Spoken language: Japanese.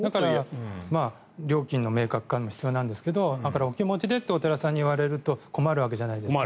料金の明確化も必要なんですがお気持ちでとお寺さんに言われると困るわけじゃないですか。